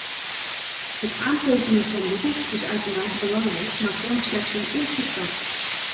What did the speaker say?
Het aantekenen van beroep is uitermate belangrijk, maar vormt slechts een eerste stap.